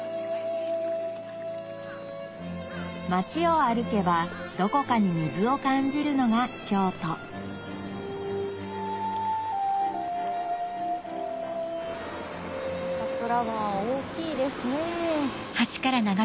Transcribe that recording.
街を歩けばどこかに水を感じるのが京都桂川大きいですね。